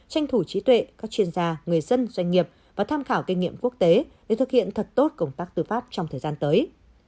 tranh thủ trí tuệ các chuyên gia người dân doanh nghiệp và tham khảo kinh nghiệm quốc tế để thực hiện thật tốt công tác tư pháp trong thời gian tới